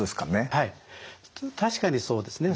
はい確かにそうですね。